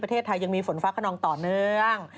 ประเทศไทยยังมีฝนฟ้ากระนองต่อยอย่าง